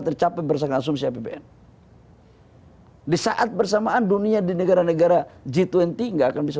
tercapai bersama asumsi apbn hai di saat bersamaan dunia di negara negara jitu ntinggal akan bisa